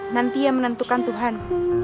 nanti ya menentukan tuhan